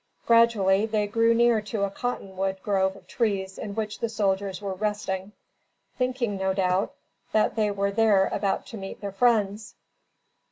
Gradually, they drew near to a cotton wood grove of trees in which the soldiers were resting, thinking no doubt, that they were there about to meet their friends.